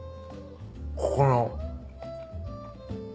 ここの。